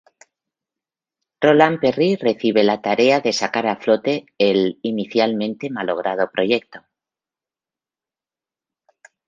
Roland Perry recibe la tarea de sacar a flote el, inicialmente, malogrado proyecto.